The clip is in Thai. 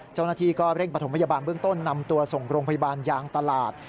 เจ้าหน้าที่ก็เร่งประถมพยาบาลเบื้องต้นนำตัวส่งโรงพยาบาลยางตลาด